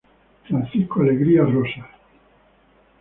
Francisco Alegría Rosas.